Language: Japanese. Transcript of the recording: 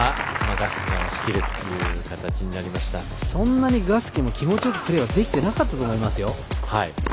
ガスケも、そんなに気持ちよくプレーはできていなかったと思いますよ。